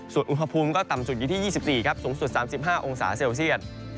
ส่วนอุณหภูมิก็ต่ำสุดอยู่ที่๒๔ครับสูงสุด๓๕องศาเซลเซียต